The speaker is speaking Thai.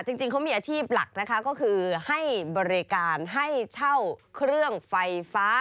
จริงเขามีอาชีพหลักนะคะก็คือให้บริการให้เช่าเครื่องไฟฟ้า